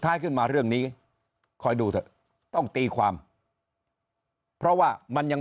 ขึ้นมาเรื่องนี้คอยดูเถอะต้องตีความเพราะว่ามันยัง